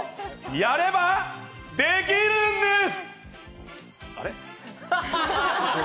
やれば、できるんです！